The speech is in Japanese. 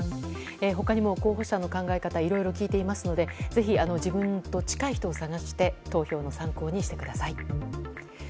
他にも候補者の考え方をいろいろ聞いていますのでぜひ自分と近い人を探して投票の参考にしてください。